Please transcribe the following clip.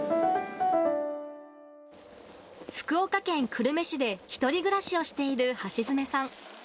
福岡県久留米市で、１人暮らしをしている橋爪さん。